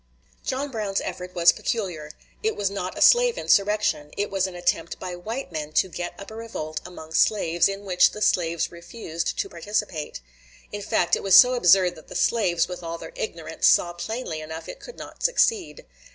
John Brown's effort was peculiar. It was not a slave insurrection. It was an attempt by white men to get up a revolt among slaves, in which the slaves refused to participate. In fact, it was so absurd that the slaves, with all their ignorance, saw plainly enough it could not succeed.